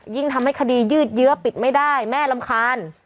ยิ่งทำให้คดียืดเยื้อปิดไม่ได้แม่รำคาญ